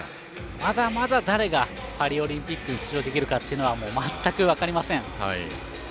まだまだ誰がパリオリンピックに出場できるかっていうのは全く分かりません。